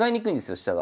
飛車が。